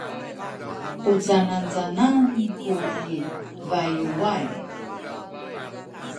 u canacanan ku i bayuay?